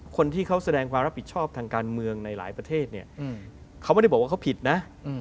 คนที่เขาแสดงความรับผิดชอบทางการเมืองในหลายประเทศเนี่ยเขาไม่ได้บอกว่าเขาผิดนะ